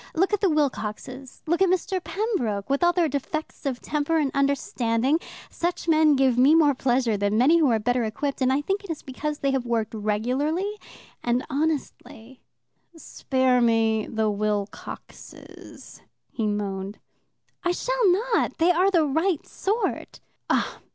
Look at the Wilcoxes, look at Mr. Pembroke. With all their defects of temper and understanding, such men give me more pleasure than many who are better equipped and I think it is because they have worked regularly and honestly. "Spare me the Wilcoxes," he moaned. "I shall not. They are the right sort."